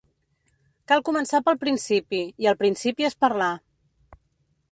Cal començar pel principi, i el principi és parlar.